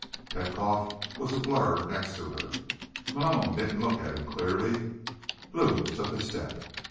Petkoff was a blur next to her; Malone didn't look at him clearly. Lou took a step....